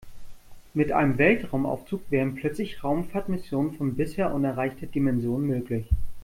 Mit einem Weltraumaufzug wären plötzlich Raumfahrtmissionen von bisher unerreichter Dimension möglich.